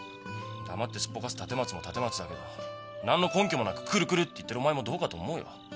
黙ってすっぽかす立松も立松だけど何の根拠もなく来る来るって言ってるお前もどうかと思うよ。